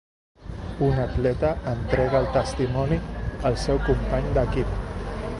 Un atleta entrega el testimoni al seu company d'equip.